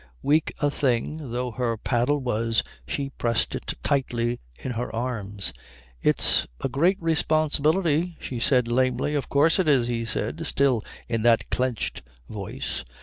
Weak a thing though her paddle was she pressed it tightly in her arms. "It's a great responsibility," she said lamely. "Of course it is," he said, still in that clenched voice.